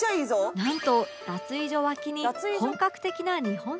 なんと脱衣所脇に本格的な日本庭園が併設